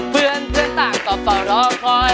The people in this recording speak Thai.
เพื่อนต่างก็เฝ้ารอคอย